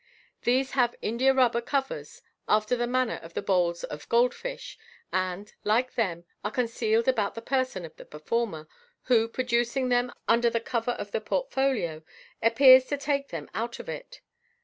These have india rubber covers, after the manner of the bowls of gold fish, and, like them, are concealed about the person of the performer, who, producing them under cover of the port< folio, appears to take them out of it.